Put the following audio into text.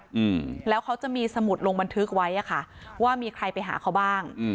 อืมแล้วเขาจะมีสมุดลงบันทึกไว้อ่ะค่ะว่ามีใครไปหาเขาบ้างอืม